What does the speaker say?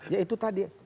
ya itu tadi ya